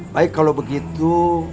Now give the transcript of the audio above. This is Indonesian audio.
baik kalau begitu